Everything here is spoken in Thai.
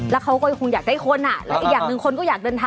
แล้วเขาก็คงอยากได้คนอ่ะแล้วอีกอย่างหนึ่งคนก็อยากเดินทาง